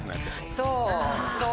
そうそう。